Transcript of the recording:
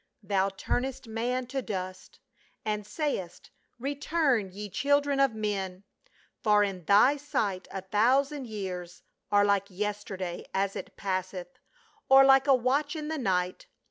" Thou turnest man to dust, And sayest, Return, ye children of men, P'or in Thy sight a thousand years Are Hke yesterday as it passeth, Or like a watch in the night.